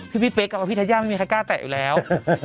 พี่เป๊กกับพี่ธัญญาไม่มีใครกล้าแตะอยู่แล้ว